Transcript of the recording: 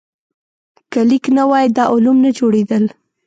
که لیک نه وای، دا علوم نه جوړېدل.